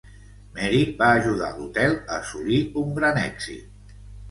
Mary va ajudar a l'hotel a assolir un gran èxit.